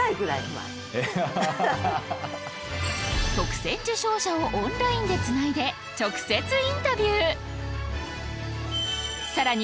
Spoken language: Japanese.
特選受賞者をオンラインでつないで直接インタビュー。